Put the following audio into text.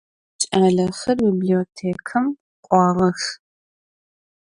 Ç'alexer bibliotêkem k'uağex.